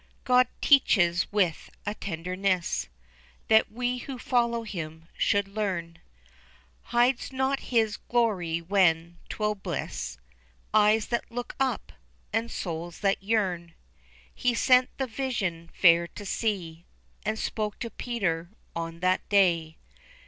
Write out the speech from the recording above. God teaches with a tenderness That we who follow him should learn, Hides not His glory when 'twill bless Eyes that look up, and souls that yearn. He sent the vision fair to see, And spoke to Peter on that day.